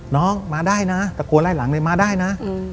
น้องมาได้นะตะโกนไล่หลังเลยมาได้นะ